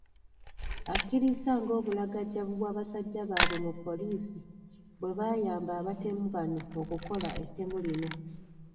Akkiriza ng’obulagajjavu bw’abasajja baabwe mu poliisi bwe bwayamba abatemu bano okukola ettemu lino.